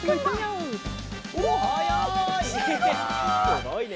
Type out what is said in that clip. すごいね。